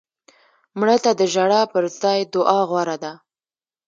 مړه ته د ژړا پر ځای دعا غوره ده